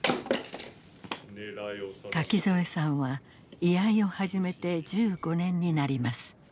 垣添さんは居合を始めて１５年になります。